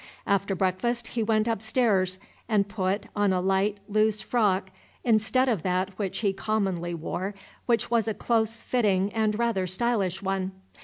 After breakfast he went up stairs and put, on a light loose frock, instead of that which he commonly wore, which was a close fitting and rather stylish one.